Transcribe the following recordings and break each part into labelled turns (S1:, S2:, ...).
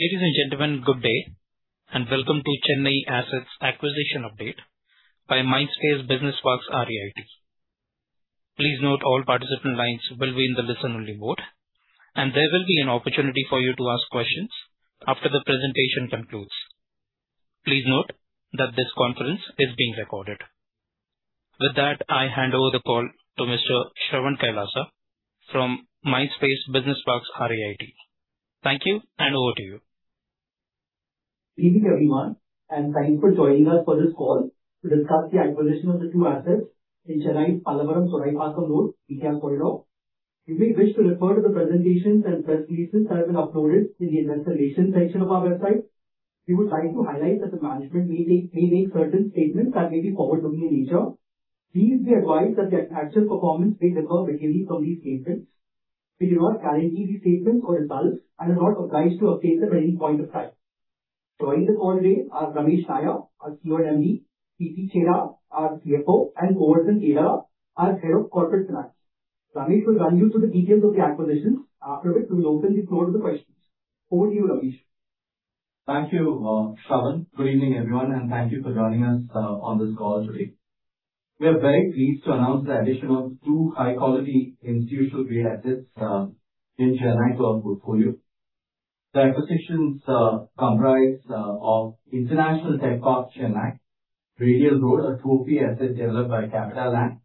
S1: Ladies and gentlemen, good day, and welcome to Chennai Assets Acquisition Update by Mindspace Business Parks REIT. Please note all participant lines will be in the listen-only mode, and there will be an opportunity for you to ask questions after the presentation concludes. Please note that this conference is being recorded. With that, I hand over the call to Mr. Shravan Kailasa from Mindspace Business Parks REIT. Thank you, and over to you.
S2: Good evening, everyone, and thank you for joining us for this call to discuss the acquisition of the two assets in Chennai's Pallavaram-Thoraipakkam Road, PTR corridor. You may wish to refer to the presentations and press releases that have been uploaded in the Investor Relations section of our website. We would like to highlight that the Management may make certain statements that may be forward-looking in nature. Please be advised that the actual performance may differ materially from these statements. We do not guarantee these statements or results and are not obliged to update them at any point of time. Joining the call today are Ramesh Nair, our CEO and MD, Preeti Chheda, our CFO, and Govardhan Gedela, our Head of Corporate Finance. Ramesh will run you through the details of the acquisitions, after which we will open the floor to questions. Over to you, Ramesh.
S3: Thank you, Shravan. Good evening, everyone, and thank you for joining us on this call today. We are very pleased to announce the addition of two high-quality institutional grade assets in Chennai to our portfolio. The acquisitions comprise of International Tech Park Chennai, Radial Road, a trophy asset developed by CapitaLand.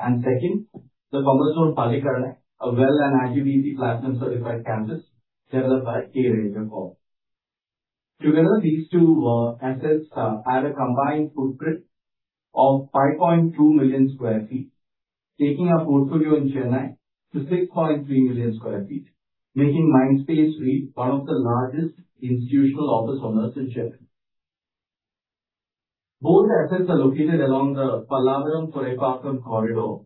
S3: Second, the Commerzone Pallikaranai, a WELL and IGBC Platinum-certified campus developed by K Raheja Corp. Together, these two assets add a combined footprint of 5.2 million sq ft, taking our portfolio in Chennai to 6.3 million sq ft, making Mindspace REIT one of the largest institutional office owners in Chennai. Both assets are located along the Pallavaram-Thoraipakkam corridor,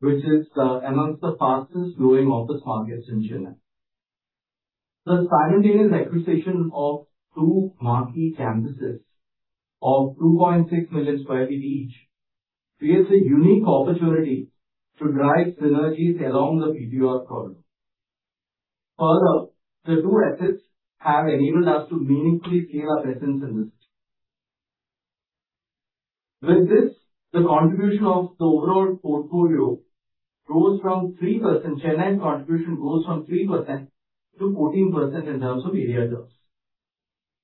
S3: which is amongst the fastest-growing office markets in Chennai. The simultaneous acquisition of two marquee campuses of 2.6 million sq ft each creates a unique opportunity to drive synergies along the PTR corridor. Further, the two assets have enabled us to meaningfully scale our presence in the city. With this, the contribution of the overall portfolio grows from 3%, Chennai's contribution grows from 3%-14% in terms of area gross.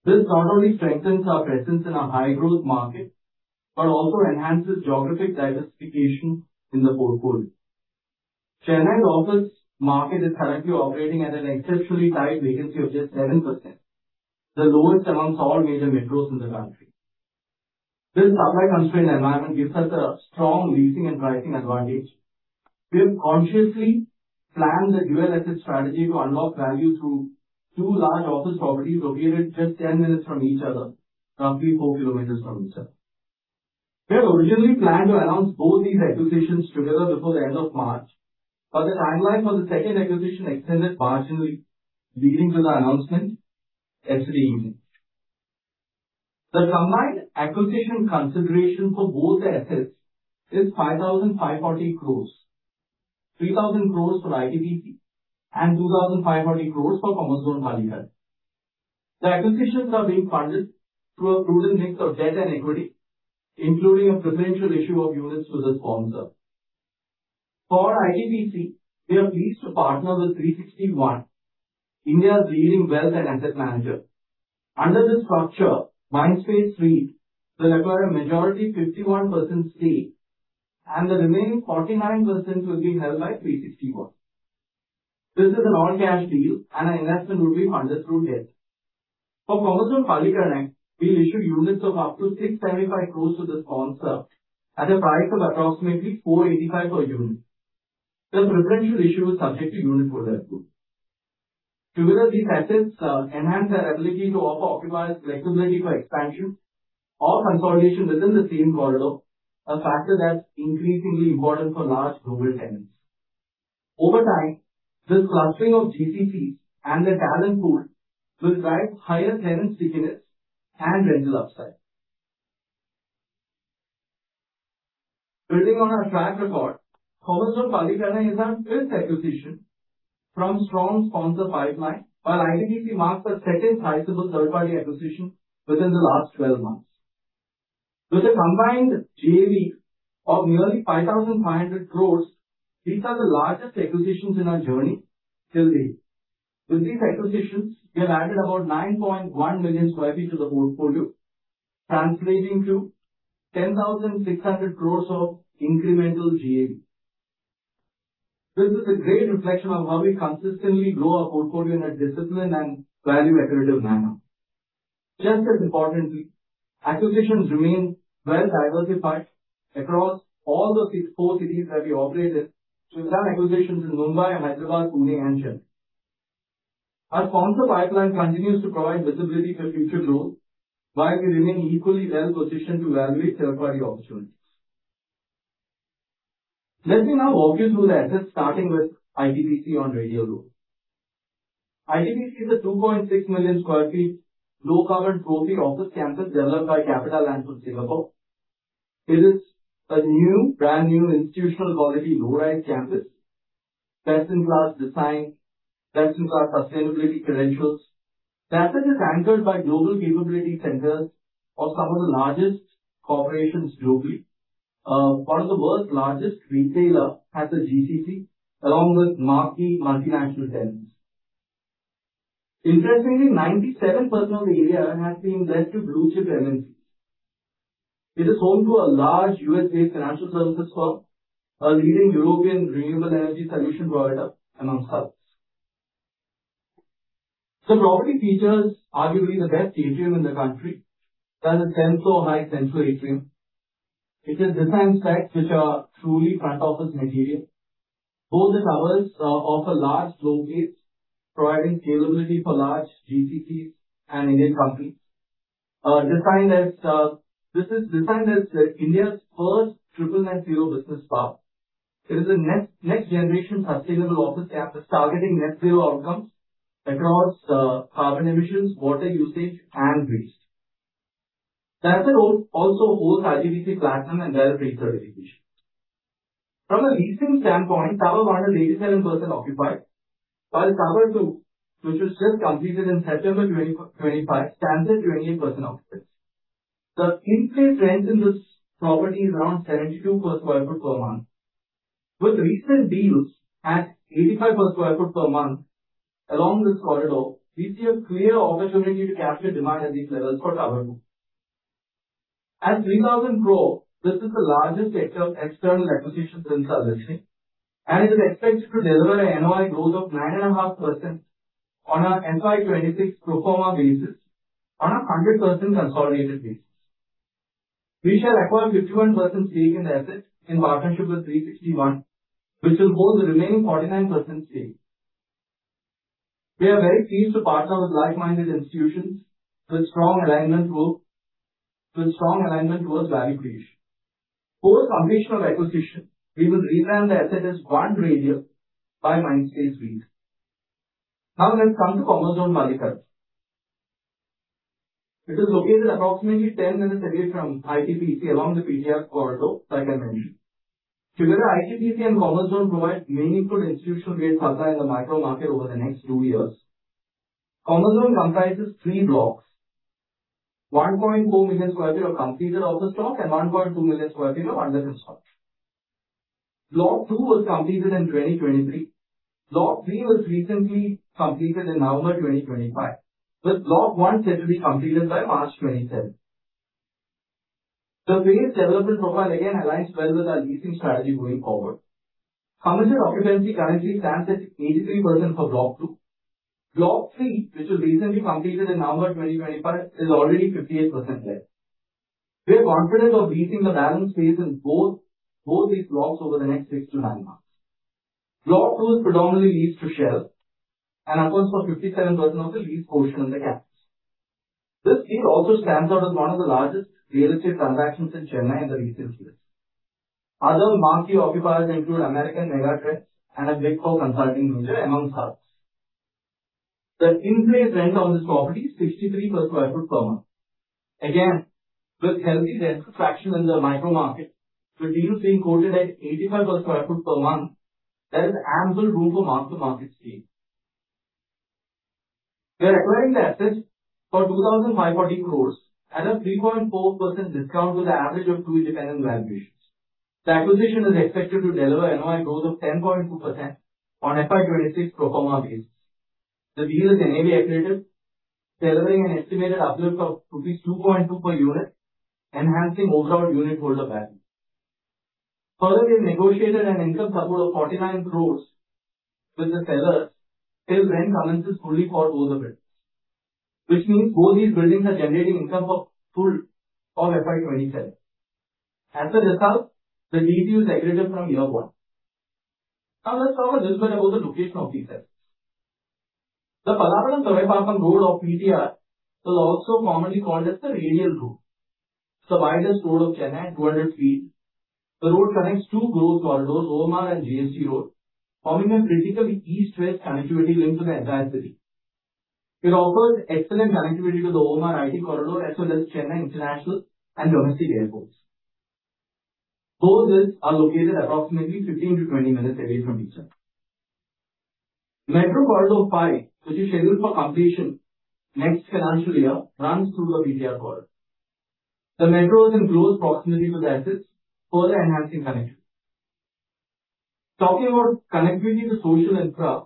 S3: This not only strengthens our presence in a high-growth market but also enhances geographic diversification in the portfolio. Chennai's office market is currently operating at an exceptionally tight vacancy of just 7%, the lowest amongst all major metros in the country. This supply-constrained environment gives us a strong leasing and pricing advantage. We have consciously planned the dual asset strategy to unlock value through two large office properties located just 10 minutes from each other, roughly 4 km from each other. We had originally planned to announce both these acquisitions together before the end of March, but the timeline for the second acquisition extended marginally, leading to the announcement yesterday evening. The combined acquisition consideration for both the assets is 5,500 crore, 3,000 crore for ITPC, and 2,500 crore for Commerzone Pallikaranai. The acquisitions are being funded through a prudent mix of debt and equity, including a preferential issue of units to the sponsor. For ITPC, we are pleased to partner with 360 ONE, India's leading wealth and asset manager. Under this structure, Mindspace's REIT will acquire a majority 51% stake, and the remaining 49% will be held by 360 ONE. This is an all-cash deal, and our investment will be funded through debt. For Commerzone Pallikaranai, we'll issue units of up to 675 crore to the sponsor at a price of approximately 485 per unit. The preferential issue is subject to unit holder approval. Together, these assets enhance our ability to offer occupiers flexibility for expansion or consolidation within the same corridor, a factor that's increasingly important for large global tenants. Over time, this clustering of GCCs and the talent pool will drive higher tenant stickiness and rental upside. Building on our track record, Commerzone Pallikaranai is our fifth acquisition from strong sponsor pipeline, while ITPC marks our second sizable third-party acquisition within the last 12 months. With a combined GAV of nearly 5,500 crores, these are the largest acquisitions in our journey till date. With these acquisitions, we have added about 9.1 million sq ft to the portfolio, translating to 10,600 crores of incremental GAV. This is a great reflection of how we consistently grow our portfolio in a disciplined and value-accretive manner. Just as importantly, acquisitions remain well-diversified across all the six core cities that we operate in. We've done acquisitions in Mumbai, Hyderabad, Pune, and Chennai. Our sponsor pipeline continues to provide visibility for future growth, while we remain equally well-positioned to evaluate third-party opportunities. Let me now walk you through the assets, starting with ITPC on Radial Road. ITPC is a 2.6 million sq ft, low-carbon trophy office campus developed by CapitaLand from Singapore. It is a brand-new institutional quality low-rise campus. Best-in-class design, best-in-class sustainability credentials. The asset is anchored by Global Capability Centers of some of the largest corporations globally. One of the world's largest retailer has a GCC along with marquee multinational tenants. Interestingly, 97% of the area has been let to blue-chip MNCs. It is home to a large U.S. based financial services firm, a leading European renewable energy solution provider, amongst others. The property features arguably the best atrium in the country. There's a seven-story high central atrium. It has design specs which are truly front office material. Both the towers offer large floor plates providing capability for large GCCs and Indian companies. This is designed as India's first triple net zero business park. It is a next-generation sustainable office campus targeting net zero outcomes across carbon emissions, water usage, and waste. The asset also holds IGBC Platinum and LEED pre-certification. From a leasing standpoint, Tower One is 87% occupied, while Tower Two, which was just completed in September 2025, stands at 28% occupied. The in-place rent in this property is around 72 per sq ft per month, with recent deals at 85 per sq ft per month. Along this corridor, we see a clear opportunity to capture demand at these levels for Tower Two. At 3,000 crore, this is the largest external acquisition since our listing, and it is expected to deliver an NOI growth of 9.5% on our FY 2026 pro forma basis on a 100% consolidated basis. We shall acquire 51% stake in the asset in partnership with 360 ONE, which will hold the remaining 49% stake. We are very pleased to partner with like-minded institutions with strong alignment towards value creation. Post completion of acquisition, we will rebrand the asset as One Radial by Mindspace REIT. Now let's come to Commerzone Pallikaranai. It is located approximately 10 minutes away from ITPC along the PTR corridor, like I mentioned. Together, ITPC and Commerzone provide meaningful institutional grade supply in the micro market over the next two years. Commerzone comprises three blocks, 1.4 million sq ft of completed office stock and 1.2 million sq ft of under construction. Block 2 was completed in 2023. Block 3 was recently completed in November 2025, with Block 1 set to be completed by March 2027. The phased development profile again aligns well with our leasing strategy going forward. Commercial occupancy currently stands at 83% for Block 2. Block 3, which was recently completed in November 2025, is already 58% let. We are confident of leasing the balance phase in both these blocks over the next 6-9 months. Block 2 is predominantly leased to Shell and accounts for 57% of the lease quotient in the campus. This deal also stands out as one of the largest real estate transactions in Chennai in the recent years. Other marquee occupiers include American Megatrends and a Big Four consulting major, amongst others. The in-place rent on this property is 63 per sq ft per month. Again, with healthy rent traction in the micro-market, with deals being quoted at 85 per sq ft per month, there is ample room for mark-to-market increase. We are acquiring the assets for 2,045 crores at a 3.4% discount to the average of two independent valuations. The acquisition is expected to deliver NOI growth of 10.2% on FY 2026 pro forma basis. The deal is NAV accretive, delivering an estimated uplift of rupees 2.2 per unit, enhancing overall unitholder value. Further, we've negotiated an income support of 49 crores with the sellers, till rent commences fully for both the buildings. Which means both these buildings are generating income for full FY 2027. As a result, the deal is accretive from year one. Now let's talk a little bit about the location of these assets. The Pallavaram-Thoraipakkam Road or PTR is also commonly called as the Radial Road. It's the widest road of Chennai, 200 feet. The road connects two growth corridors, OMR and GST Road, forming a critical east-west connectivity link to the entire city. It offers excellent connectivity to the OMR IT corridor, as well as Chennai international and domestic airports. Both assets are located approximately 15-20 minutes away from each other. Metro corridor five, which is scheduled for completion next financial year, runs through the PTR corridor. The metro is in close proximity to the assets, further enhancing connection. Talking about connectivity to social infra,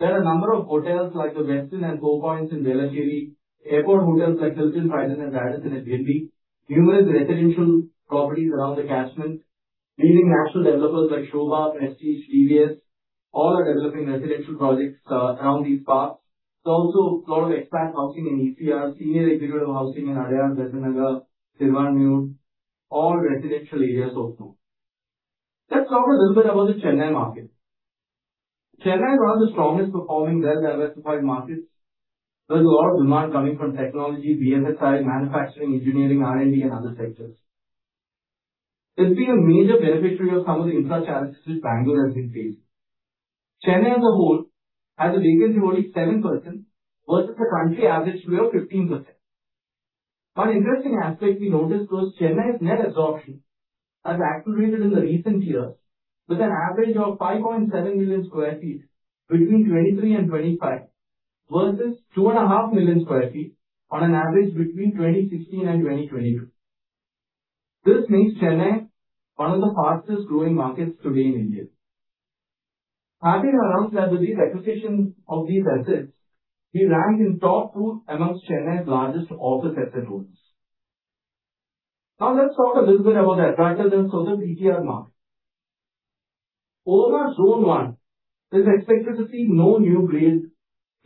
S3: there are a number of hotels like The Westin and Four Points in Velachery, airport hotels like Hilton, Trident and Radisson at Guindy, numerous residential properties around the catchment, leading national developers like Sobha, Prestige, DLF, all are developing residential projects around these parts. There's also a lot of expat housing in ECR, senior executive housing in Adyar, Taramani, Thiruvanmiyur, all residential areas of note. Let's talk a little bit about the Chennai market. Chennai is one of the strongest performing well-diversified markets. There's a lot of demand coming from technology, BFSI, manufacturing, engineering, R&D, and other sectors. It's been a major beneficiary of some of the infra challenges Bangalore has been facing. Chennai as a whole has a vacancy of only 7% versus the country average rate of 15%. One interesting aspect we noticed was Chennai's net absorption has accelerated in the recent years with an average of 5.7 million sq ft between 2023 and 2025, versus two and a half million sq ft on an average between 2016 and 2022. This makes Chennai one of the fastest-growing markets today in India. Having announced that with these acquisitions of these assets, we rank in top two amongst Chennai's largest office asset owners. Now let's talk a little bit about the micro-markets of the ECR market. OMR Zone 1 is expected to see no new Grade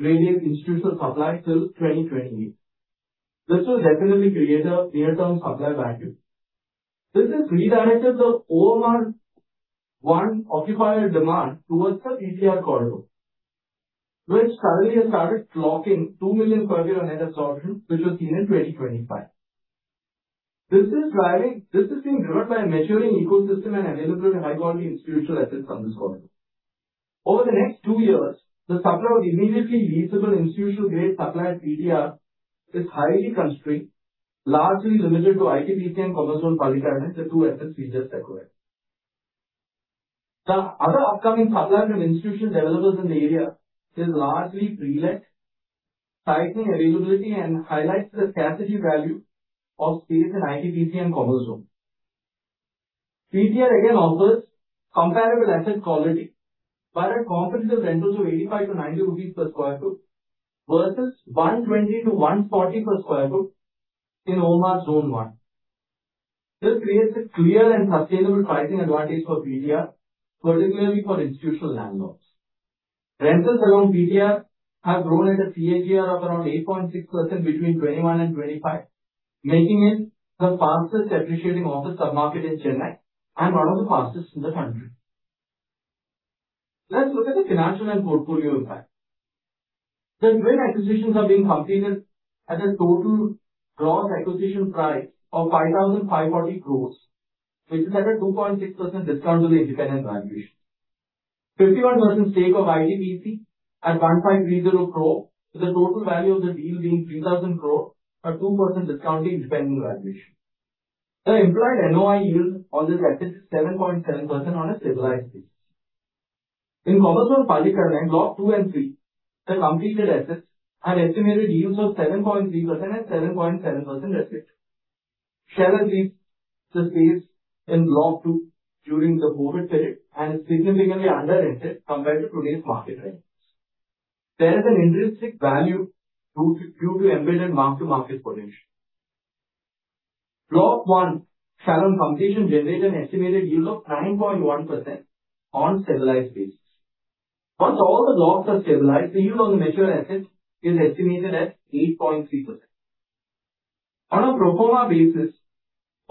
S3: A institutional supply till 2028. This will definitely create a near-term supply vacuum. This has redirected the OMR 1 occupier demand towards the ECR corridor, which suddenly has started clocking 2 million sq ft on net absorption, which was seen in 2025. This is being driven by a maturing ecosystem and available high-quality institutional assets on this corridor. Over the next two years, the supply of immediately leasable institutional-grade supply at ECR is highly constrained, largely limited to ITPC and Commerzone Pallikaranai, the two assets we just acquired. The other upcoming supply from institutional developers in the area is largely pre-let, tightening availability and highlights the scarcity value of space in ITPC and Commerzone. ECR again offers comparable asset quality, but at competitive rentals of 85-90 rupees per sq ft, versus 120-140 per sq ft in OMR Zone 1. This creates a clear and sustainable pricing advantage for ECR, particularly for institutional landlords. Rentals around ECR have grown at a CAGR of around 8.6% between 2021 and 2025, making it the fastest appreciating office submarket in Chennai and one of the fastest in the country. Let's look at the financial and portfolio impact. The twin acquisitions are being completed at a total gross acquisition price of 5,540 crores, which is at a 2.6% discount to the independent valuation. 51% stake of ITPC at 1.30 crore with a total value of the deal being 3,000 crore at 2% discount to independent valuation. The implied NOI yield on this asset is 7.7% on a stabilized basis. In Commerzone Pallikaranai in Block 2 and 3, the completed assets have estimated yields of 7.3% and 7.7% respectively. Shell leased the space in Block 2 during the COVID period and is significantly under-rented compared to today's market rates. There is an intrinsic value due to embedded mark-to-market potential. Block 1, upon completion, generates an estimated yield of 9.1% on a stabilized basis. Once all the blocks are stabilized, the yield on the mature assets is estimated at 8.3%. On a pro forma basis,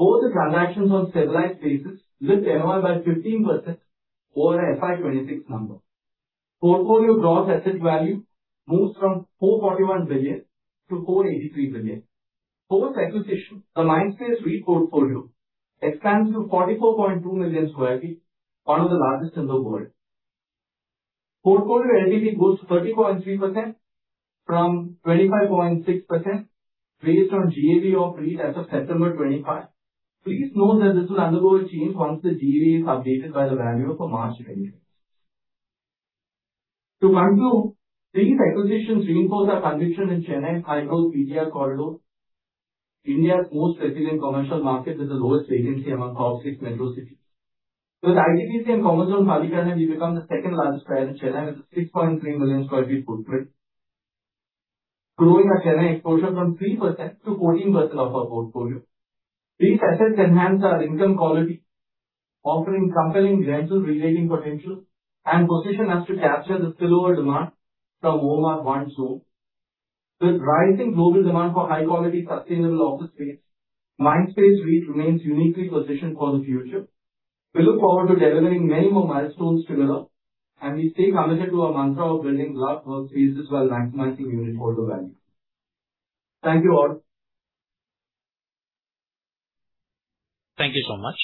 S3: both the transactions on a stabilized basis lift NOI by 15% over FY 2026 number. Portfolio gross asset value moves from 441 billion to 483 billion. Post-acquisition, the Mindspace REIT portfolio expands to 44.2 million sq ft, one of the largest in the world. Portfolio LTV goes 30.3% from 25.6%, based on GAV of REIT as of September 2025. Please note that this will undergo a change once the GAV is updated by the valuer for March 2025. To conclude, these acquisitions reinforce our conviction in Chennai's high-growth ECR corridor, India's most resilient commercial market with the lowest vacancy among top six metro cities. With ITPC and Commerzone Pallikaranai, we become the second-largest player in Chennai with a 6.3 million sq ft footprint, growing our Chennai exposure from 3%-14% of our portfolio. These assets enhance our income quality, offering compelling rental reletting potential, and position us to capture the spillover demand from OMR Phase I. With rising global demand for high-quality, sustainable office space, Mindspace REIT remains uniquely positioned for the future. We look forward to delivering many more milestones together, and we stay committed to our mantra of building large workspaces while maximizing unitholder value. Thank you all.
S1: Thank you so much.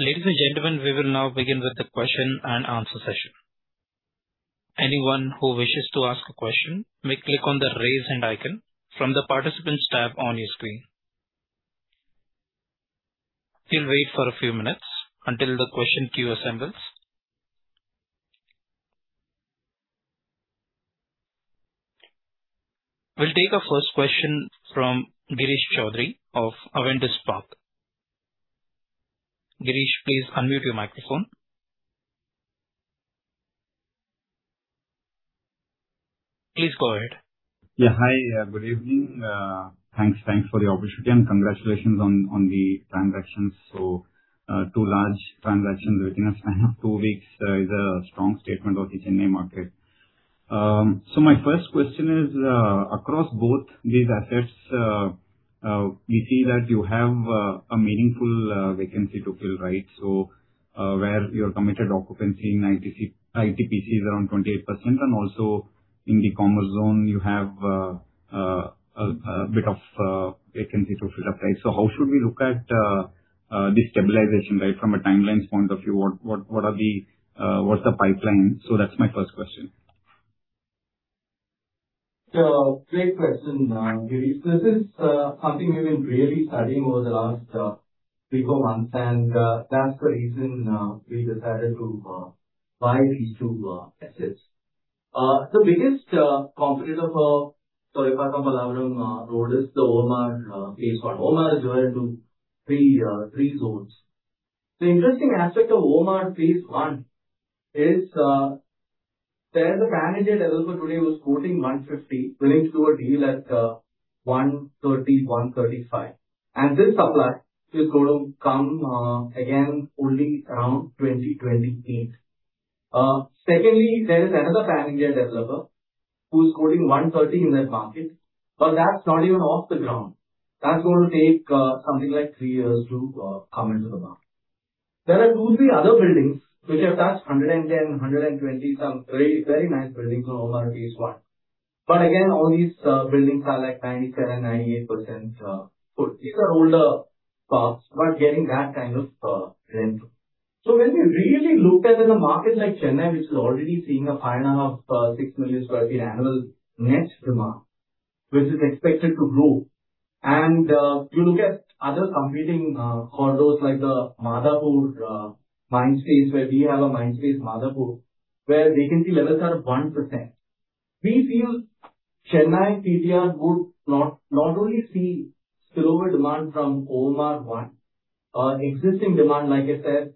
S1: Ladies and gentlemen, we will now begin with the question and answer session. Anyone who wishes to ask a question may click on the raise hand icon from the participants tab on your screen. We'll wait for a few minutes until the question queue assembles. We'll take our first question from Girish Choudhary of Avendus Spark. Girish, please unmute your microphone. Please go ahead.
S4: Yeah, hi, good evening. Thanks for the opportunity and congratulations on the transactions. Two large transactions within a span of two weeks is a strong statement of the Chennai market. My first question is, across both these assets, we see that you have a meaningful vacancy to fill, right? Where your committed occupancy in ITPC is around 28%, and also in the Commerzone, you have a bit of vacancy to fill up, right? How should we look at stabilization rate from a timelines point of view? What's the pipeline? That's my first question.
S3: Great question, Girish. This is something we've been really studying over the last three-four months, and that's the reason we decided to buy these two assets. The biggest competitor for Thoraipakkam-Pallavaram Road is the OMR Phase I. OMR is divided into three zones. The interesting aspect of OMR Phase I is there's a branded developer today who's quoting 150, willing to do a deal at 130-135. This supply is going to come again only around 2028. Secondly, there is another branded developer who is quoting 130 in that market, but that's not even off the ground. That's going to take something like three years to come into the market. There are two-three other buildings which have touched 110-120, some very nice buildings on OMR Phase I. Again, all these buildings are 97%-98% full. These are older parks, but getting that kind of rent. When we really looked at in a market like Chennai, which is already seeing a 5.5 million-6 million sq ft annual net demand, which is expected to grow, and you look at other competing corridors like the Madhapur Mindspace, where we have a Mindspace Madhapur, where vacancy levels are 1%. We feel Chennai PTR would not only see spillover demand from OMR One, existing demand, like I said,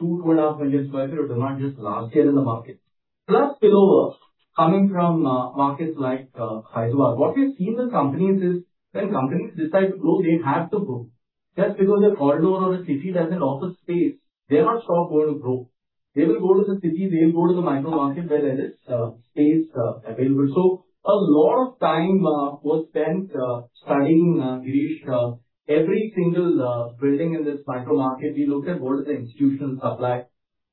S3: 2 million-2.5 million sq ft of demand just last year in the market, plus spillover coming from markets like Hyderabad. What we've seen with companies is when companies decide to grow, they have to grow. Just because a corridor or a city doesn't offer space, they'll not stop going to grow. They will go to the city, they will go to the micro-market where there is space available. A lot of time was spent studying, Girish, every single building in this micro-market. We looked at what is the institutional supply.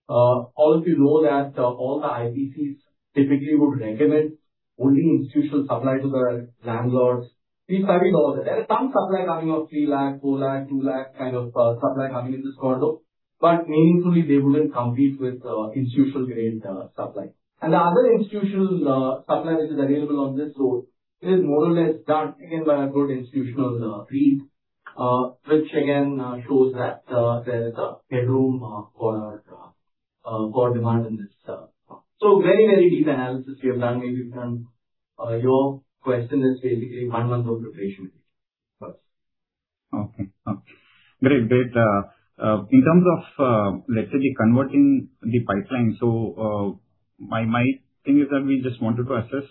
S3: All of you know that all the IPCs typically would recommend only institutional supply to the landlords. We studied all that. There is some supply coming of 3 lakh, 4 lakh, 2 lakh kind of supply coming in this corridor, but meaningfully, they wouldn't compete with institutional-grade supply. The other institutional supply which is available on this road is more or less done, again, by a good institutional breed which again, shows that there is a headroom for demand in this park. Very, very deep analysis we have done. Maybe from your question is basically one month of preparation.
S4: Okay. Great. In terms of, let's say, the converting the pipeline, my thing is that we just wanted to assess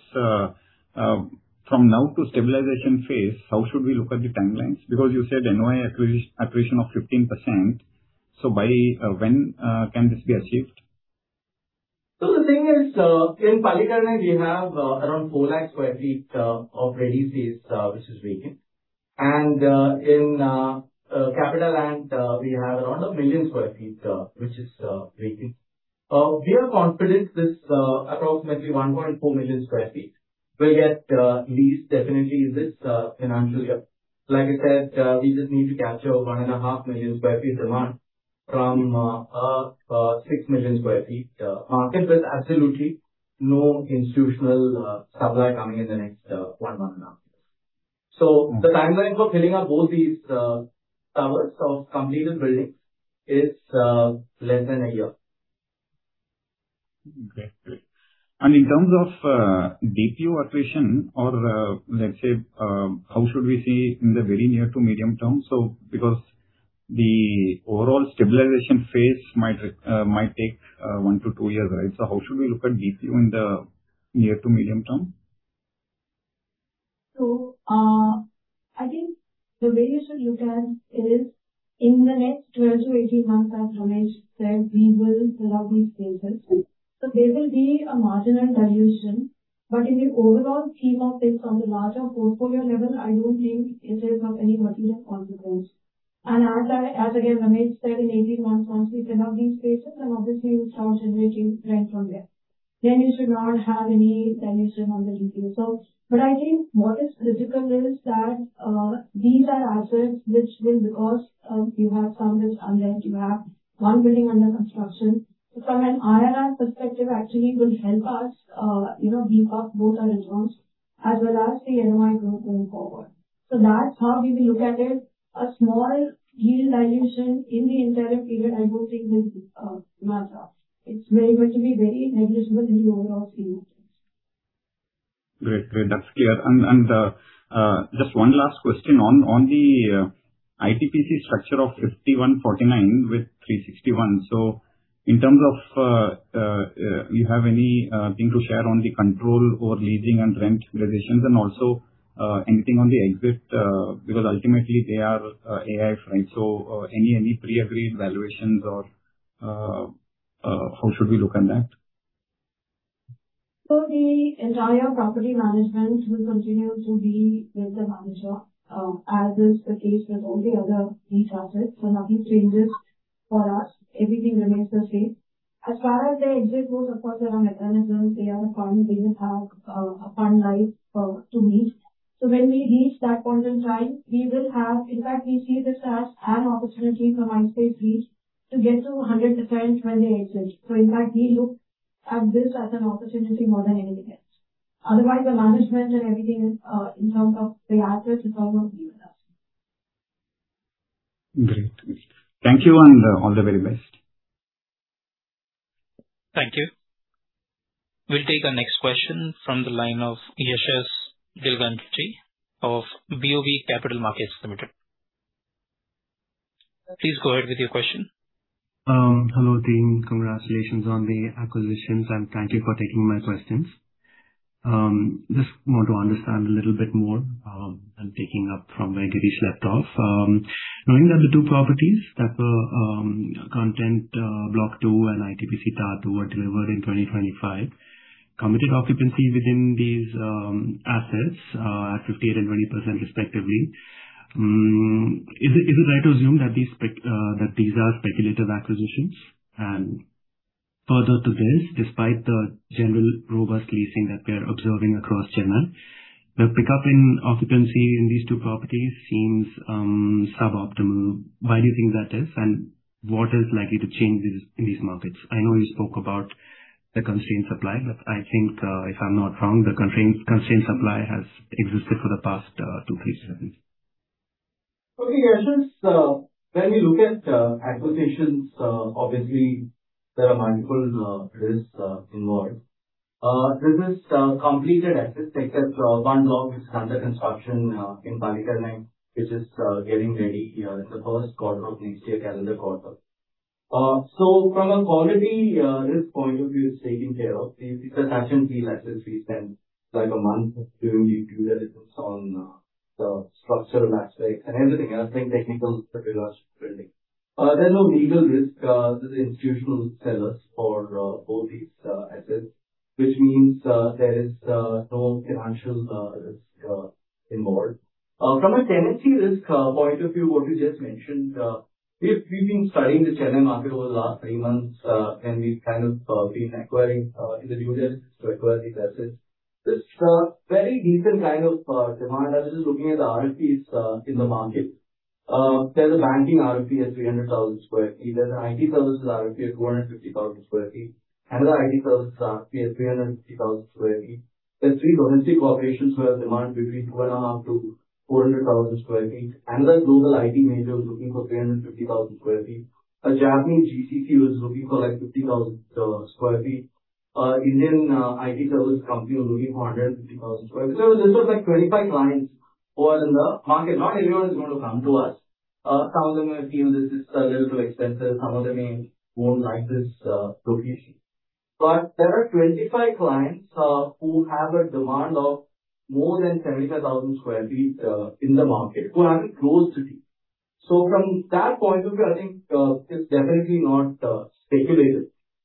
S4: from now to stabilization phase, how should we look at the timelines? Because you said NOI accretion of 15%, so by when can this be achieved?
S3: The thing is, in Pallikaranai, we have around 4 lakh sq ft of ready phase, which is vacant. In CapitaLand, we have around one million sq ft, which is vacant. We are confident this approximately 1.4 million sq ft will get leased definitely in this financial year. Like I said, we just need to capture 1.5 million sq ft demand from a six million sq ft market with absolutely no institutional supply coming in the next one and a half years. The timeline for filling up both these towers or completed buildings is less than a year.
S4: Great. In terms of DPU accretion or let's say, how should we see in the very near to medium term? Because the overall stabilization phase might take 1-2 years, right? How should we look at DPU in the near to medium term?
S5: I think the way you should look at it is in the next 12 months-18 months, as Ramesh said, we will fill up these spaces. There will be a marginal dilution. In the overall scheme of this, on the larger portfolio level, I don't think it is of any material consequence. As again, Ramesh said, in 18 months, once we fill up these spaces, then obviously you'll start generating rent from there. You should not have any dilution on the DPU. I think what is critical is that these are assets which will, because you have some which are leased, you have one building under construction. From an IRR perspective, actually it will help us de-risk both our returns as well as the NOI growth going forward. That's how we will look at it. A small yield dilution in the interim period, I don't think will matter. It's going to be very negligible in the overall scheme of things.
S4: Great. That's clear. Just one last question on the ITPC structure of 51/49 with 360 ONE. In terms of, do you have anything to share on the control or leasing and rent realizations? Also anything on the exit? Because ultimately they are AIF, right? Any pre-agreed valuations or how should we look on that?
S5: The entire property management will continue to be with the Manager, as is the case with all the other REIT assets. Nothing changes for us. Everything remains the same. As far as the exit goes, of course, there are mechanisms, they are a fund, they will have a fund life to meet. When we reach that point in time, in fact, we see this as an opportunity for Mindspace REIT to get to 100% when they exit. In fact, we look at this as an opportunity more than anything else. Otherwise, the management and everything is, in terms of the assets.
S4: Great. Thank you and all the very best.
S1: Thank you. We'll take our next question from the line of Yashas Gilganchi of BOB Capital Markets Limited. Please go ahead with your question.
S6: Hello, team. Congratulations on the acquisitions, and thank you for taking my questions. Just want to understand a little bit more, I'm taking up from where Girish left off. Knowing that the two properties that were Content Block 2 and ITPC Tower 2 are delivered in 2025, committed occupancy within these assets are at 58% and 20% respectively. Is it right to assume that these are speculative acquisitions? Further to this, despite the general robust leasing that we're observing across general, the pickup in occupancy in these two properties seems suboptimal. Why do you think that is, and what is likely to change in these markets? I know you spoke about the constrained supply, but I think, if I'm not wrong, the constrained supply has existed for the past two-three years.
S3: Okay, Yashas. When we look at acquisitions, obviously, there are multiple risks involved. This is completed assets, except one block which is under construction in Pallikaranai, which is getting ready in the first quarter of next year, calendar quarter. From a quality risk point of view, it's taken care of. Because actually, these assets, we spend like a month of doing due diligence on the structural aspects and everything else, like technical building. There's no legal risk. These are institutional sellers for both these assets, which means there is no financial risk involved. From a tenancy risk point of view, what you just mentioned, we've been studying the Chennai market over the last three months, and we've been acquiring in the due diligence to acquire the assets. There's a very decent kind of demand. I was just looking at the RFPs in the market. There's a banking RFP at 300,000 sq ft. There's an IT services RFP at 250,000 sq ft. Another IT services RFP at 350,000 sq ft. There's three domestic corporations who have demand between 250,000 sq ft-400,000 sq ft. Another global IT major who's looking for 350,000 sq ft. A Japanese GCC who is looking for 50,000 sq ft. An Indian IT services company was looking for 150,000 sq ft. A list of like 25 clients who are in the market. Not everyone is going to come to us. Some of them may feel this is a little too expensive. Some of them may won't like this location. There are 25 clients who have a demand of more than 75,000 sq ft in the market who are in close to deal. From that point of view, I think this is definitely not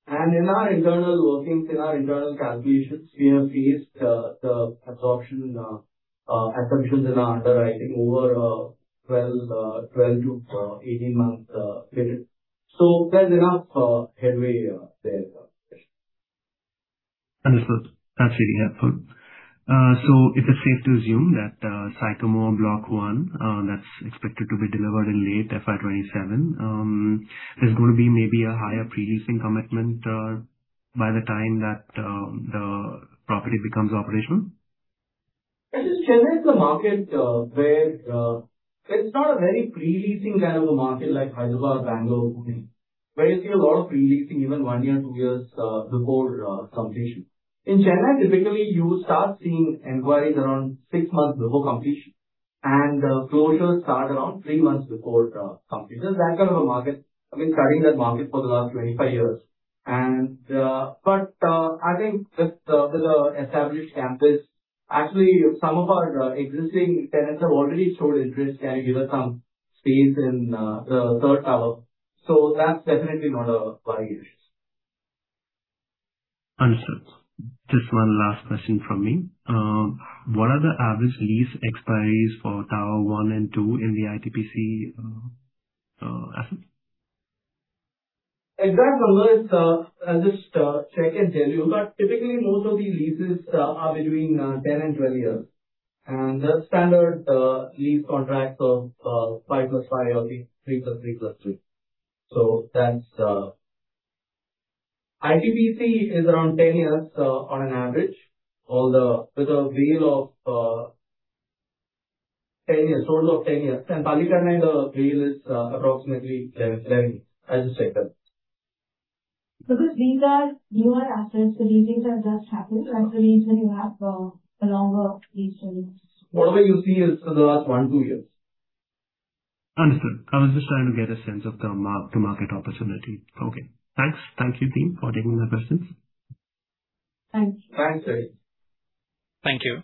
S3: speculative. In our internal workings, in our internal calculations, we have based the absorption assumptions in our underwriting over a 12-18-month period. There's enough headway there.
S6: Understood. That's really helpful. Is it safe to assume that Sycamore Block 1, that's expected to be delivered in late FY 2027, there's going to be maybe a higher pre-leasing commitment by the time that the property becomes operational?
S3: Yashas, Chennai is a market where it's not a very pre-leasing kind of a market like Hyderabad, Bangalore, Pune, where you see a lot of pre-leasing, even one year, two years before completion. In Chennai, typically, you start seeing inquiries around six months before completion, and the closures start around three months before completion, that kind of a market. I've been studying that market for the last 25 years. I think with the established campus, actually, some of our existing tenants have already showed interest, "Can you give us some space in the third tower?" That's definitely not a worry.
S6: Understood. Just one last question from me. What are the average lease expiries for Tower 1 and 2 in the ITPC assets?
S3: Exact numbers, I'll just check and tell you, but typically, most of the leases are between 10 and 12 years. The standard lease contracts of five plus five or three plus three plus three. ITPC is around 10 years on an average, with a WALE of 10 years, those of 10 years. Pallikaranai, the WALE is approximately 10. I'll just check that.
S5: Because these are newer assets, do you think they've just happened? Actually, you have a longer lease than this?
S3: Whatever you see is for the last one-two years.
S6: Understood. I was just trying to get a sense of the market opportunity. Okay. Thanks. Thank you, team, for taking my questions.
S5: Thank you.
S3: Thanks.
S1: Thank you.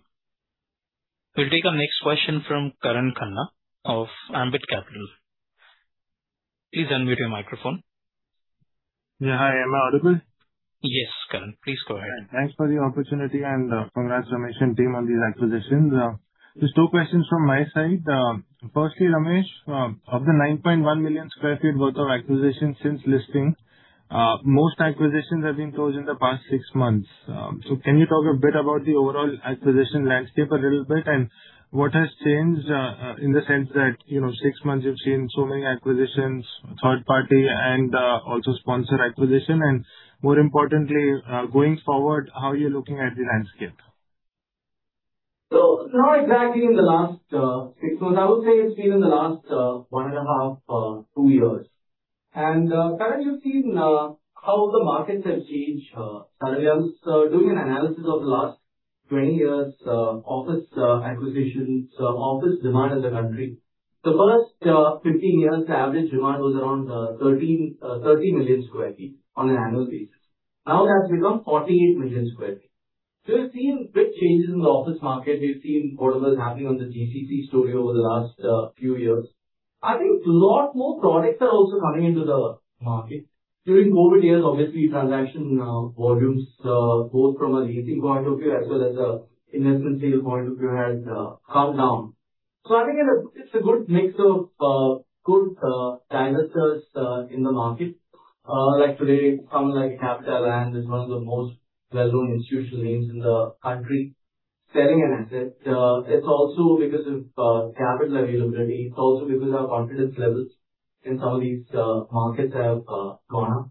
S1: We'll take our next question from Karan Khanna of Ambit Capital. Please unmute your microphone.
S7: Yeah. Hi, am I audible?
S1: Yes, Karan, please go ahead.
S7: Thanks for the opportunity, and congratulations team on these acquisitions. Just two questions from my side. Firstly, Ramesh, of the 9.1 million sq ft worth of acquisitions since listing, most acquisitions have been closed in the past six months. Can you talk a bit about the overall acquisition landscape a little bit, and what has changed, in the sense that six months you've seen so many acquisitions, third-party, and also sponsor acquisition, and more importantly, going forward, how you're looking at the landscape?
S3: Not exactly in the last six months. I would say it's been in the last one and a half, two years. Currently we've seen how the markets have changed. Recently, I was doing an analysis of the last 20 years office acquisitions, office demand in the country. The first 15 years, the average demand was around 30 million sq ft on an annual basis. Now that's become 48 million sq ft. We've seen big changes in the office market. We've seen whatever is happening on the GCC story over the last few years. I think a lot more products are also coming into the market. During COVID years, obviously, transaction volumes, both from a leasing point of view as well as a investment sales point of view, has come down. I think it's a good mix of good dynamics in the market. Like today, someone like CapitaLand is one of the most well-known institutional names in the country, selling an asset. It's also because of capital availability. It's also because our confidence levels in some of these markets have gone up.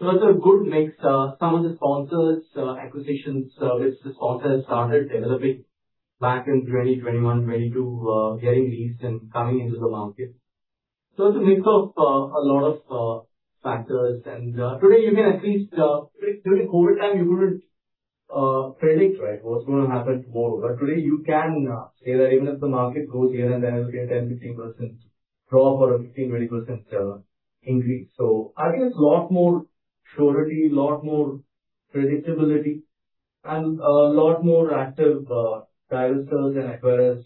S3: It's a good mix. Some of the Sponsor acquisitions which the Sponsor started developing back in 2021-2022, getting leased and coming into the market. It's a mix of a lot of factors, and today you can at least, during COVID time, you couldn't predict, right, what's going to happen tomorrow. Today you can say that even if the market goes here and there, you'll get 10%-15% drop or a 15%-20% increase. I think it's a lot more surety, a lot more predictability, and a lot more active dynamics and acquirers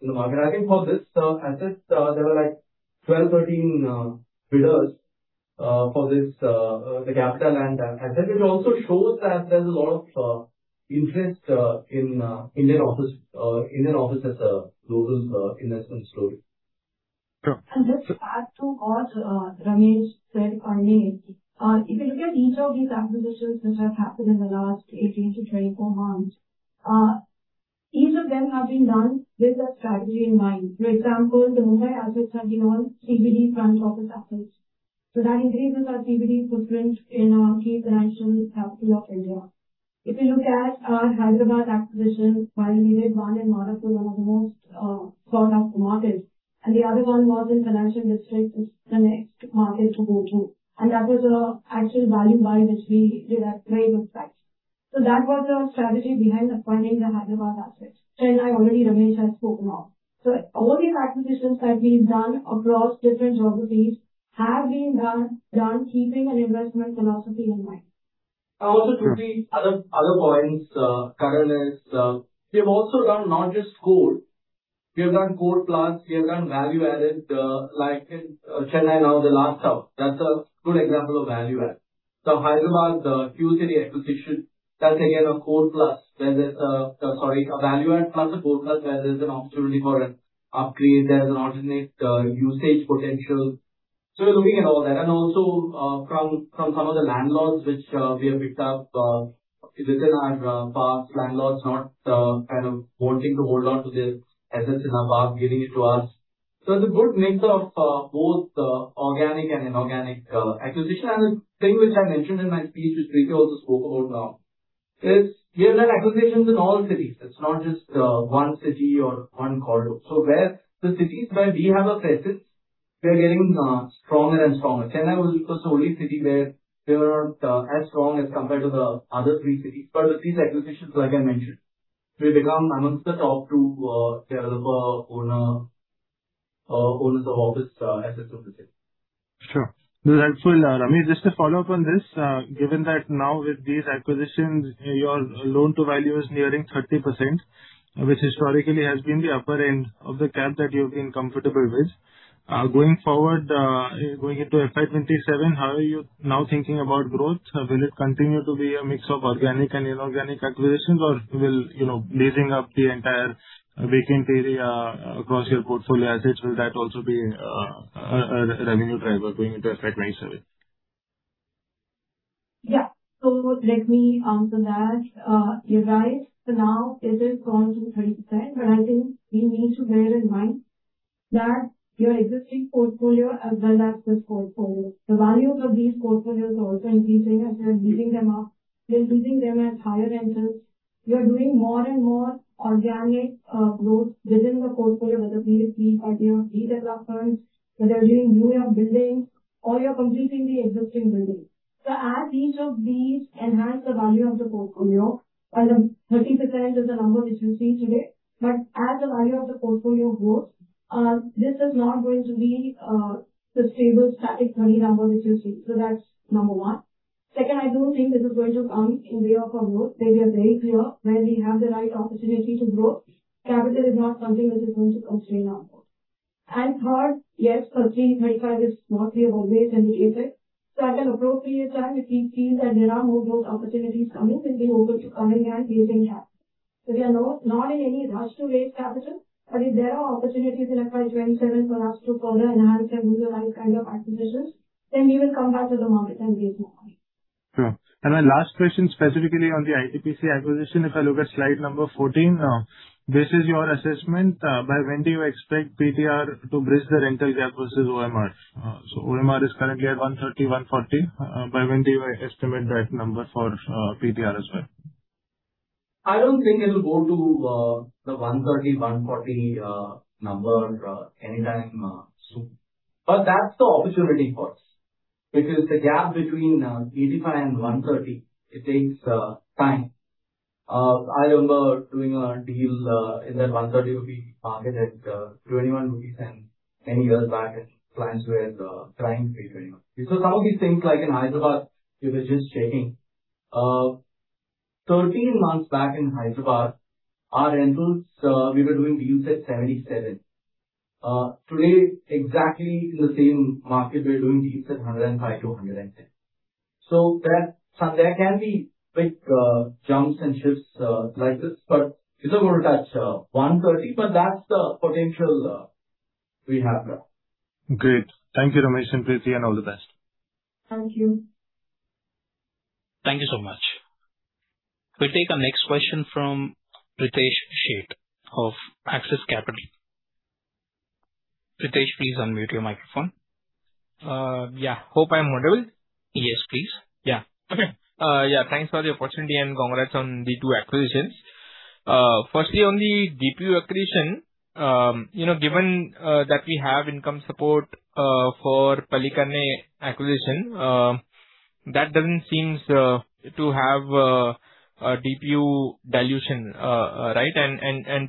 S3: in the market. I think for this asset, there were 12-13 bidders for the CapitaLand asset, which also shows that there's a lot of interest in Indian office as a global investment story.
S7: Sure.
S5: Just to add to what Ramesh said, if you look at each of these acquisitions which have happened in the last 18-24 months, each of them have been done with a strategy in mind. For example, the Mumbai assets have been on CBD front office assets. That increases our CBD footprint in our key financial capital of India. If you look at our Hyderabad acquisition, one in Madhapur, one of the most sought-after markets, and the other one was in Financial District. It's the next market to go to, and that was an actual value buy, which we did at a very good price. That was our strategy behind acquiring the Hyderabad assets. Chennai already Ramesh has spoken of. All these acquisitions that we've done across different geographies have been done keeping an investment philosophy in mind.
S3: Preeti, other points. Currently, we've also done not just core. We have done core plus, we have done value-added, like in Chennai, now the last hub. That's a good example of value-add. Hyderabad, Q-City acquisition, that's again a core plus where there's a value-add plus a core plus, where there's an opportunity for an upgrade, there's an alternate usage potential. We're looking at all that. From some of the landlords which we have picked up, within our parks, landlords not kind of wanting to hold on to their assets in our park, giving it to us. It's a good mix of both organic and inorganic acquisition. The thing which I mentioned in my speech, which Preeti also spoke about now, is we have done acquisitions in all cities. It's not just one city or one corridor. In the cities where we have a presence, we are getting stronger and stronger. Chennai was the only city where we were not as strong as compared to the other three cities. With these acquisitions, like I mentioned, we've become amongst the top two developer-owners of office assets of the city.
S7: Sure. That's helpful, Ramesh. Just to follow up on this, given that now with these acquisitions, your loan-to-value is nearing 30%, which historically has been the upper end of the cap that you've been comfortable with. Going forward, going into FY 2027, how are you now thinking about growth? Will it continue to be a mix of organic and inorganic acquisitions, or will leasing up the entire vacant area across your portfolio assets, will that also be a revenue driver going into FY 2027?
S5: Yeah. Let me answer that. You're right. Now it has gone to 30%, but I think we need to bear in mind that your existing portfolio as well as this portfolio, the value of these portfolios is also increasing. As we're leasing them up, we're leasing them at higher rentals. We are doing more and more organic growth within the portfolio, whether be it fit-out, be the plus funds, whether you're doing new buildings or you're completing the existing buildings. As each of these enhance the value of the portfolio, while the 30% is the number which you see today, but as the value of the portfolio grows, this is not going to be a sustainable static 30 number which you see. That's number one. Second, I don't think this is going to come in way of our growth, that we are very clear when we have the right opportunity to grow. Capital is not something which is going to constrain our growth. Third, yes, 30%-35% is not the upper base in the LTV. At an appropriate time, if we feel that there are more growth opportunities coming, then we're open to coming and raising capital. We are not in any rush to raise capital, but if there are opportunities in FY 2027 for us to further enhance and do the right kind of acquisitions, then we will come back to the market and raise more money.
S7: Sure. And my last question specifically on the ITPC acquisition, if I look at slide number 14, this is your assessment. By when do you expect PTR to bridge the rental gap versus OMR? So OMR is currently at one hundred and thirty, one hundred and forty. By when do you estimate that number for PTR as well?
S3: I don't think it'll go to the 130, 140 number anytime soon. That's the opportunity for us, which is the gap between 85 and 130. It takes time. I remember doing a deal in that 130 rupee market at 21.10 rupees, many years back, when clients were trying to pay 21. Some of these things, like in Hyderabad, we were just checking. 13 months back in Hyderabad, our rentals, we were doing deals at 77. Today, exactly in the same market, we're doing deals at 105-110. There can be quick jumps and shifts like this, but it's not going to touch 130. That's the potential we have there.
S7: Great. Thank you, Ramesh and Preeti, and all the best.
S5: Thank you.
S1: Thank you so much. We'll take our next question from Pritesh Sheth of Axis Capital. Pritesh, please unmute your microphone.
S8: Yeah. I hope I'm audible.
S1: Yes, please.
S8: Yeah.
S3: Okay.
S8: Yeah. Thanks for the opportunity and congrats on the two acquisitions. Firstly, on the DPU acquisition, given that we have income support for Pallikaranai acquisition, that doesn't seem to have DPU dilution. Right?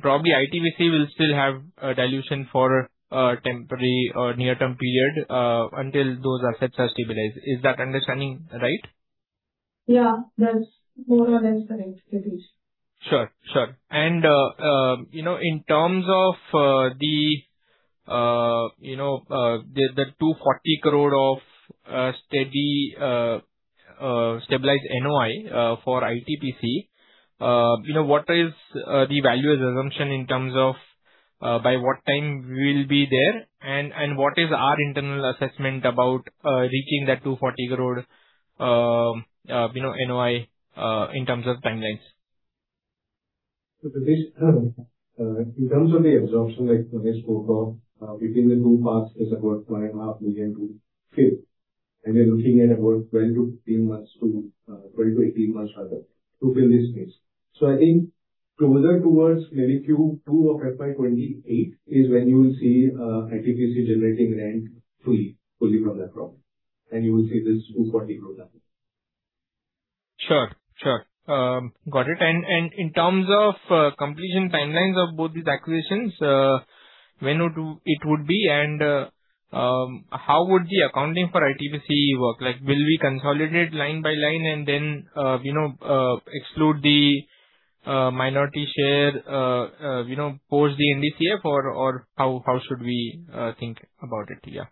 S8: Probably ITPC will still have a dilution for a temporary or near-term period until those assets are stabilized. Is that understanding right?
S5: Yeah, that's more or less correct, Pritesh.
S8: Sure. In terms of the 240 crore of stabilized NOI for ITPC, what is the valuation assumption in terms of by what time we'll be there and what is our internal assessment about reaching that 240 crore NOI in terms of timelines?
S9: Pritesh, in terms of the absorption like Ramesh spoke of, between the two parks is about 1.5 million sq ft. We're looking at about 12-18 months, rather, to fill this space. I think closer towards maybe Q2 of FY 2028 is when you will see ITPC generating rent fully from that product. You will see this 240 crore number.
S8: Sure. Got it. In terms of completion timelines of both these acquisitions, when it would be and how would the accounting for ITPC work? Will we consolidate line by line and then exclude the minority share, post the NDCF, or how should we think about it? Yeah.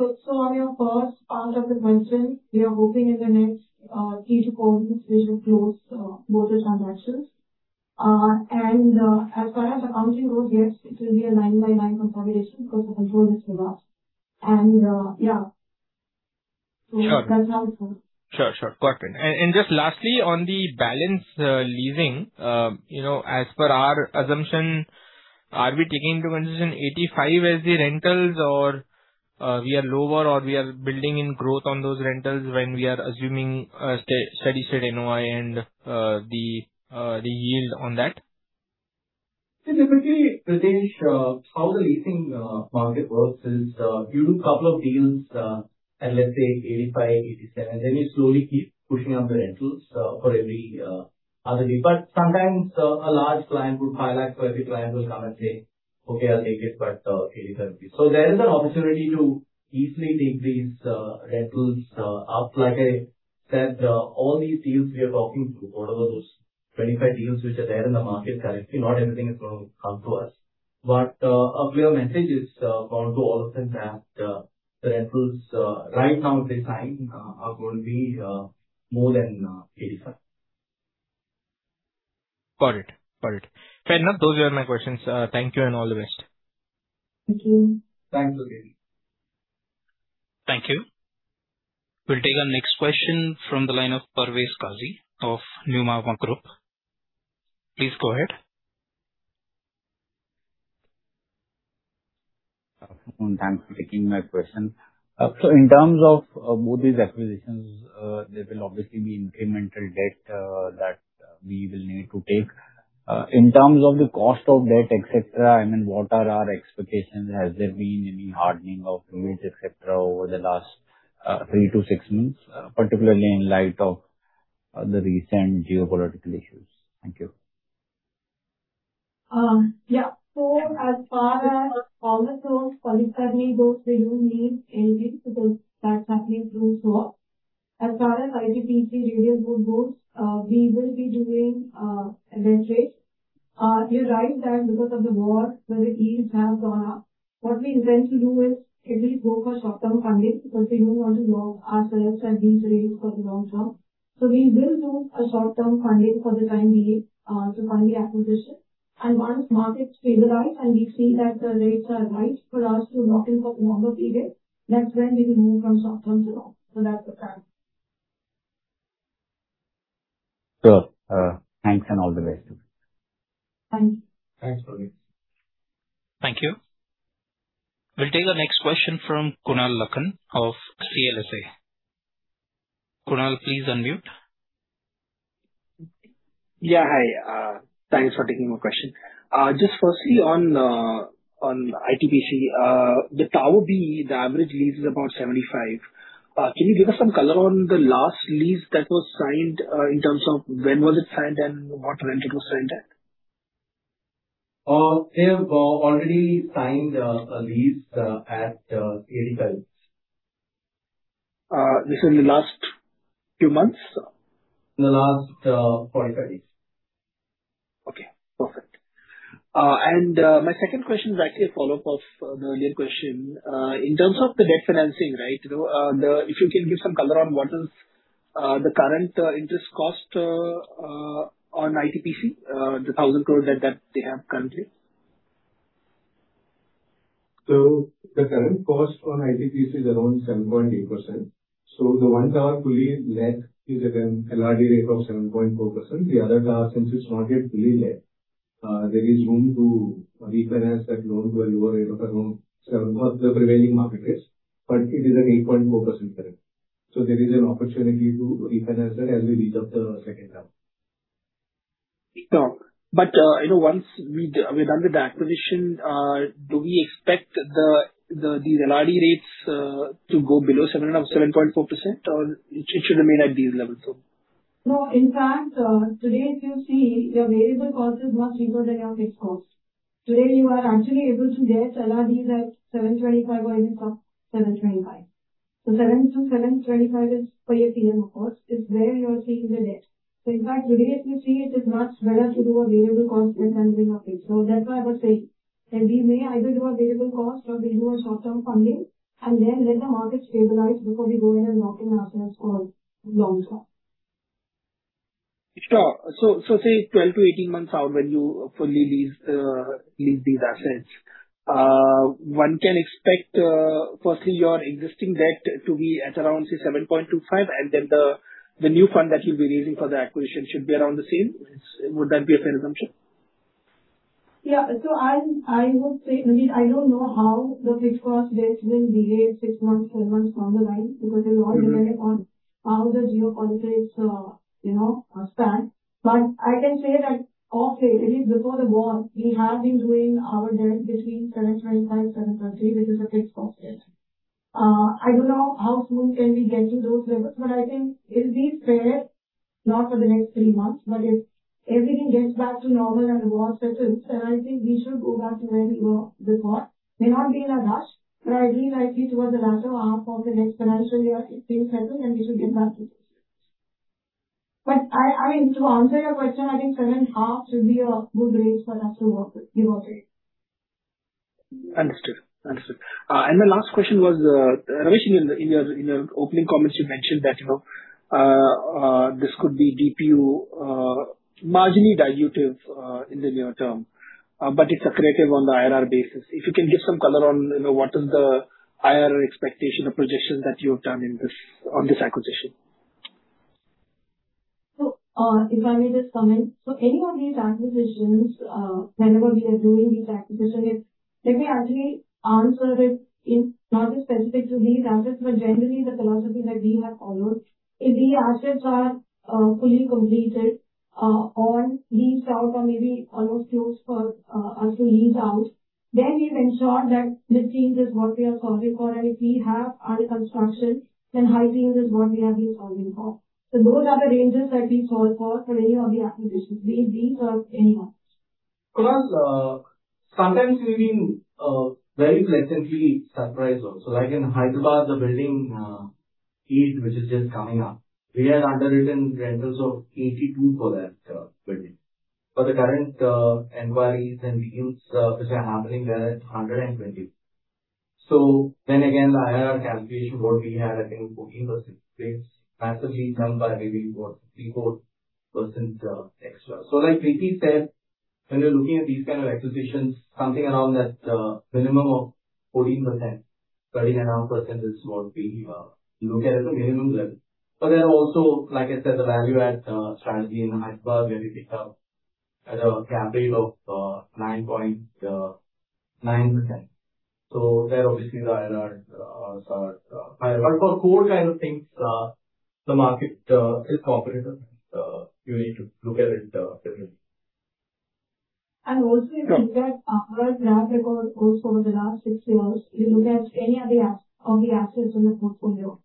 S5: On your first part of the question, we are hoping in the next three to four months we should close both the transactions. As far as accounting goes, yes, it will be a line-by-line consolidation because the control is with us. Yeah, that's how.
S8: Sure. Got it. Just lastly, on the balance leasing, as per our assumption, are we taking into consideration 85 as the rentals or we are lower or we are building in growth on those rentals when we are assuming steady state NOI and the yield on that?
S3: Typically, Pritesh, how the leasing market works is, you do couple of deals at, let's say, 85-87. You slowly keep pushing up the rentals for every other deal. Sometimes a large client, good, high-grade credit client will come and say, "Okay, I'll take it, but INR 87." There is an opportunity to easily take these rentals up. Like I said, all these deals we are talking through, whatever those 25 deals which are there in the market currently, not everything is going to come to us. A clear message is going to all of them that the rentals right now at this time are going to be more than INR 85.
S8: Got it. Fair enough. Those were my questions. Thank you and all the best.
S5: Thank you.
S3: Thanks, Pritesh.
S1: Thank you. We'll take our next question from the line of Parvez Qazi of Nuvama Group. Please go ahead.
S10: Thanks for taking my question. In terms of both these acquisitions, there will obviously be incremental debt that we will need to take. In terms of the cost of debt, et cetera, what are our expectations? Has there been any hardening of rates, et cetera, over the last 3-6 months, particularly in light of the recent geopolitical issues? Thank you.
S5: Yeah. As far as Commerzone Pallikaranai goes, we don't need anything because that's happening through swap. As far as ITPC Radial Road goes, we will be doing a debt raise. You're right that because of the war, the yields have gone up. What we intend to do is at least go for short-term funding because we don't want to lock ourselves at these rates for the long term. We will do a short-term funding for the time being to fund the acquisition. Once markets stabilize and we see that the rates are right for us to lock in for longer period, that's when we will move from short term to long. That's the plan.
S10: Sure. Thanks and all the best.
S5: Thank you.
S3: Thanks, Parvez.
S1: Thank you. We'll take the next question from Kunal Lakhan of CLSA. Kunal, please unmute.
S11: Hi. Thanks for taking my question. Just firstly on ITPC, Tower B, the average lease is about 75. Can you give us some color on the last lease that was signed, in terms of when was it signed and what rent it was signed at?
S3: They have already signed a lease at INR 85.
S11: This is in the last few months?
S3: In the last 45 days.
S11: Okay, perfect. My second question is actually a follow-up of the earlier question. In terms of the debt financing, right, if you can give some color on what is the current interest cost on ITPC, the 1,000 crores that they have currently?
S9: The current cost on ITPC is around 7.8%. The one tower fully leased is at an LRD rate of 7.4%. The other tower, since it's not yet fully let, there is room to refinance that loan to a lower rate of around 7%, what the prevailing market is. It is at 8.4% currently. There is an opportunity to refinance that as we lease up the second tower.
S11: Sure. Once we're done with the acquisition, do we expect these LRD rates to go below 7% or 7.4%, or it should remain at these levels?
S5: No. In fact, today if you see, your variable cost is much cheaper than your fixed cost. Today you are actually able to get LRDs at 7.25% or even some 7.25%. 7%-7.25% is for your PM of course, is where you are seeing the debt. In fact, today if you see, it is much better to do a variable cost refinancing of it. That's why I was saying that we may either do a variable cost or we do a short-term funding and then let the market stabilize before we go in and lock in ourselves for long term.
S11: Sure. Say 12 months-18 months out when you fully lease these assets, one can expect, firstly your existing debt to be at around, say 7.25%, and then the new fund that you'll be raising for the acquisition should be around the same. Would that be a fair assumption?
S5: Yeah. I would say, I mean, I don't know how the fixed cost debts will behave six months, seven months down the line because it will all depend on how the geopolitical span. I can say that, okay, at least before the war we have been doing our debt between 7.25%-7.30% which is a fixed cost debt. I don't know how soon can we get to those levels, but I think it'll be fair, not for the next three months, but if everything gets back to normal and the war settles, then I think we should go back to where we were before. May not be in a rush, but I believe towards the latter half of the next financial year, if things settle, then we should get back to those levels. But I mean, to answer your question, I think seven half should be a good range for us to work with.
S11: Understood. My last question was, Ramesh, in your opening comments you mentioned that this could be DPU marginally dilutive in the near term, but it's accretive on the IRR basis. If you can give some color on what is the IRR expectation or projection that you have done on this acquisition?
S5: If I may just comment. Any of these acquisitions, whenever we are doing each acquisition, let me actually answer it in, not just specific to these assets but generally the philosophy that we have followed. If the assets are fully completed or leased out or maybe almost close for us to lease out, then we've ensured that mid-teens is what we are solving for and if we have under construction, then high-teens is what we have been solving for. Those are the ranges that we solve for any of the acquisitions. Be it these or any ones.
S3: Plus, sometimes we've been very pleasantly surprised also like in Hyderabad, the Building 8 which is just coming up. We had underwritten rentals of 82 for that building. The current enquiries and meetings which are happening there, it's 120. Again, the IRR calculation what we had, I think 14%, it's massively done by maybe what, 64% extra. Like Preeti said, when you're looking at these kind of acquisitions, something around that minimum of 14%, 13.5% is what we look at as a minimum level. There are also, like I said, the value-add strategy in Hyderabad where we picked up at a cap rate of 9.9%. Obviously the IRRs are higher. For core kind of things, the market is competitive. You need to look at it differently.
S5: If you look at our track record over the last six years, you look at any of the assets in the portfolio.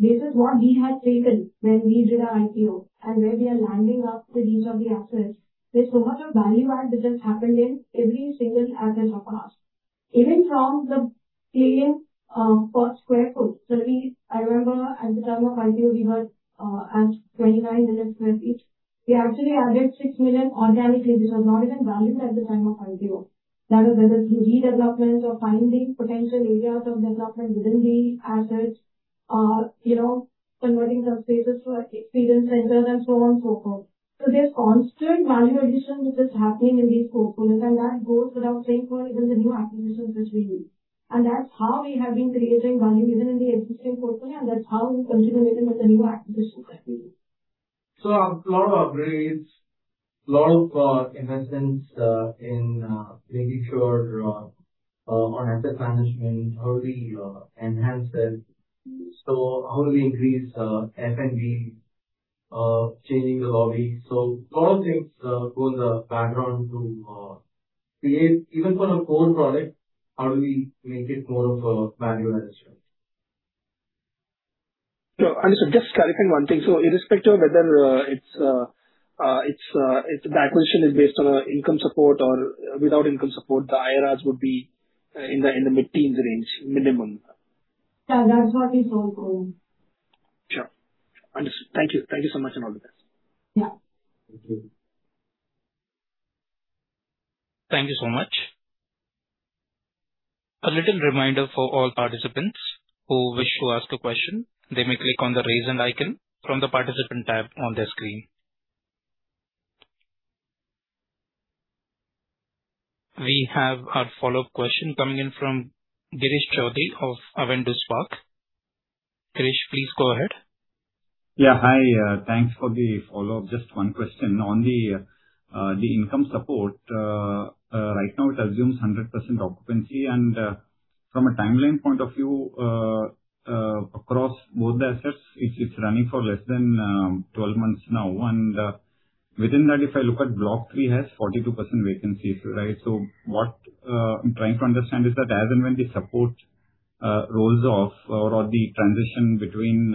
S5: This is what we had taken when we did our IPO and where we are landing up with each of the assets. There's so much of value add which has happened in every single asset of ours, even from the premium per sq ft. I remember at the time of IPO we were at 29 million sq ft. We actually added 6 million organically, which was not even valued at the time of IPO. That is whether through redevelopments or finding potential areas of development within the assets, converting some spaces to our experience centers and so on, so forth. There's constant value addition which is happening in these portfolios, and that goes without saying for even the new acquisitions which we do. That's how we have been creating value within the existing portfolio, and that's how we continue to make it with the new acquisitions that we do.
S3: A lot of upgrades, lot of investments in making sure on asset management, how do we enhance it? How do we increase F&B, changing the lobby? A lot of things goes background to create even for a core product, how do we make it more of a value addition?
S11: Sure. Understood. Just clarifying one thing. Irrespective of whether its acquisition is based on income support or without income support, the IRRs would be in the mid-teens range minimum.
S5: Yeah, that's what we hope for.
S11: Sure. Understood. Thank you so much, and all the best.
S5: Yeah.
S1: Thank you so much. A little reminder for all participants who wish to ask a question, they may click on the raise hand icon from the participant tab on their screen. We have a follow-up question coming in from Girish Choudhary of Avendus Spark. Girish, please go ahead.
S4: Yeah. Hi, thanks for the follow-up. Just one question. On the income support, right now it assumes 100% occupancy and from a timeline point of view, across both the assets, it's running for less than 12 months now. Within that, if I look at Block 3 has 42% vacancies, right? What I'm trying to understand is that as and when the support rolls off or the transition between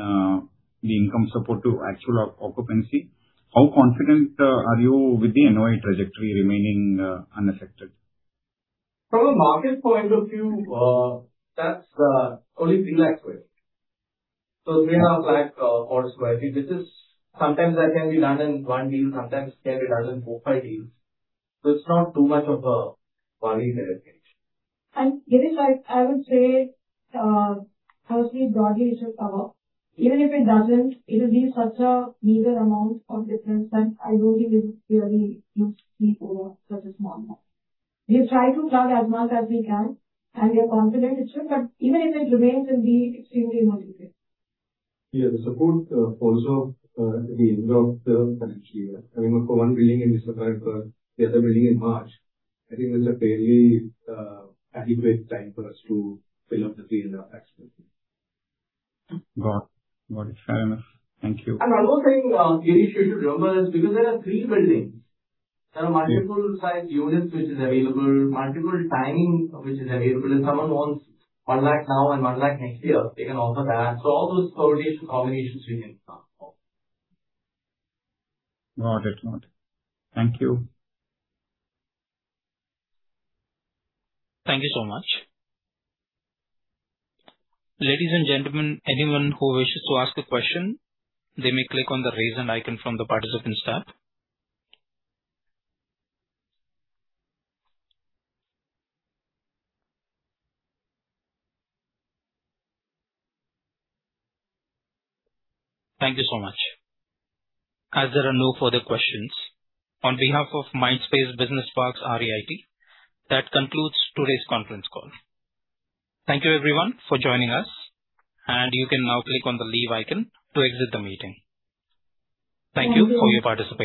S4: the income support to actual occupancy, how confident are you with the NOI trajectory remaining unaffected?
S3: From a market point of view, that's only 3 lakhs worth. INR 3.5 lakh per sq ft. Sometimes that can be done in one deal, sometimes it can be done in four-five deals. It's not too much of a worry, I would say.
S5: Girish, I would say, firstly, broadly it should cover. Even if it doesn't, it'll be such a meager amount of difference that I don't think it'll really tip the or such a small amount. We've tried to cover as much as we can, and we're confident it should. Even if it remains, it'll be extremely negligible.
S9: Yeah. The support falls off at the end of the financial year. For one building it will be September, the other building in March. I think that's a fairly adequate time for us to fill up the space ourselves.
S4: Got it. Fair enough. Thank you.
S3: I was saying, Girish, you should remember this because there are three buildings. There are multiple size units which is available, multiple timing which is available. If someone wants 1 lakh now and 1 lakh next year, they can also do that. All those combinations we can think of.
S4: Noted. Thank you.
S1: Thank you so much. Ladies and gentlemen, anyone who wishes to ask a question, they may click on the raise hand icon from the participants tab. Thank you so much. As there are no further questions, on behalf of Mindspace Business Parks REIT, that concludes today's conference call. Thank you everyone for joining us, and you can now click on the leave icon to exit the meeting. Thank you for your participation.